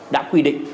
đã quy định